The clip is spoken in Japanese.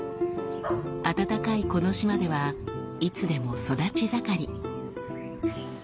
暖かいこの島ではいつでも育ち盛り。